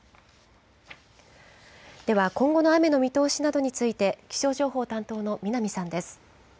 では今後の雨の見通しなどについて気象情報担当の南さんです。